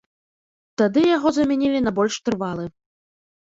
Тады яго замянілі на больш трывалы.